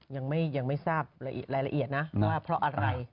ยังไม่ทราบรายละเอียดนะว่าเพราะอะไร